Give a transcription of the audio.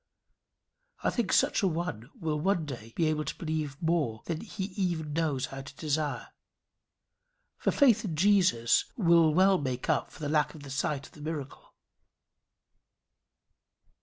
I think such a one will one day be able to believe more than he even knows how to desire. For faith in Jesus will well make up for the lack of the sight of the miracle.